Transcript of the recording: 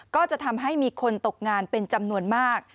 ก็จะทำให้มีคนตกงานเป็นจำนวนมาก